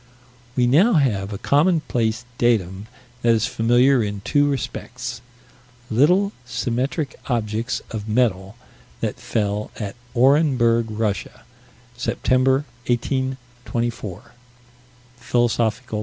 We now have a commonplace datum that is familiar in two respects: Little, symmetric objects of metal that fell at Orenburg, Russia, September, 1824 (_Phil.